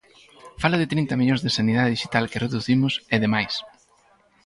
Fala de trinta millóns de sanidade dixital que reducimos, e demais.